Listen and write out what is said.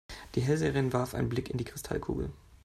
Die Hellseherin warf einen Blick in die Kristallkugel.